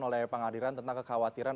oleh pengadilan tentang kekhawatiran